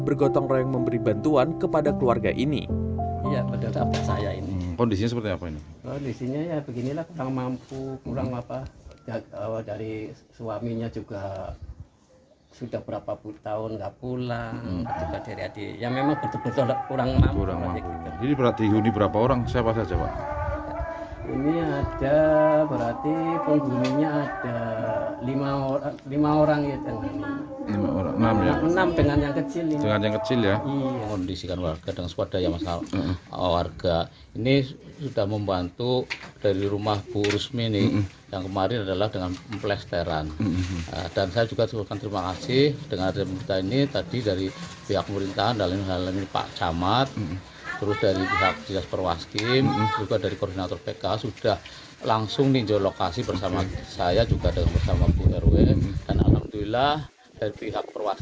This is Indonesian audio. potrat kemiskinan di brebes jowa tengah